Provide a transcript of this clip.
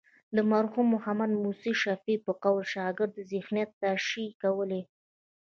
د مرحوم محمد موسی شفیق په قول شاګرد ذهنیت نه شي کولی.